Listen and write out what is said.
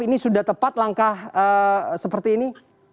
ini sudah tepat langkah seperti ini